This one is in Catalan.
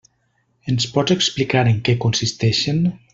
Ens pots explicar en què consisteixen?